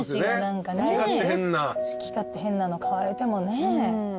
好き勝手変なの買われてもね。